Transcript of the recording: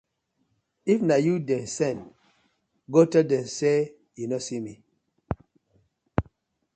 If na yu dem sen, go tell dem say yu no see me.